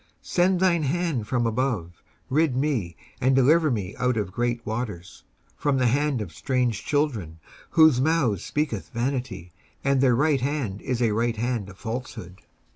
19:144:007 Send thine hand from above; rid me, and deliver me out of great waters, from the hand of strange children; 19:144:008 Whose mouth speaketh vanity, and their right hand is a right hand of falsehood.